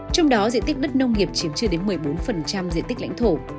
trong đó diện tích đất nông nghiệp chiếm chưa đến một mươi bốn diện tích lãnh thổ